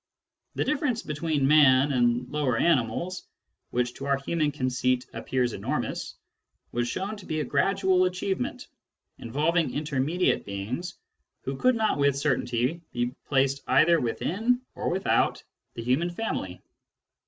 The difference between man and the lower animals, which to our human conceit appears enormous, was shown to be a gradual achievement, involving intermediate beings who could not with certainty be placed either within or without the human family.